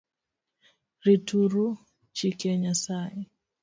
Rituru chike Nyasaye